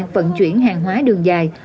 vận chuyển hàng hóa đường dài